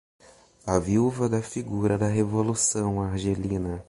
a viúva da figura da revolução argelina